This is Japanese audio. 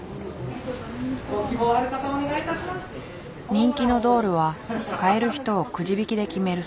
人気のドールは買える人をくじ引きで決めるそう。